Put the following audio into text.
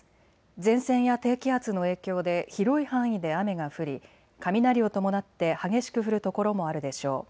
前線や低気圧の影響で広い範囲で雨が降り雷を伴って激しく降る所もあるでしょう。